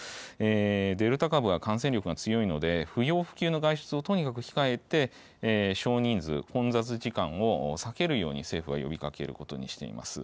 デルタ株は感染力が強いので、不要不急の外出をとにかく控えて、少人数、混雑時間を避けるように政府は呼びかけることにしています。